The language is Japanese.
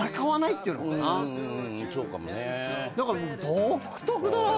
だから独特だなって。